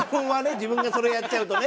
自分がそれをやっちゃうとね。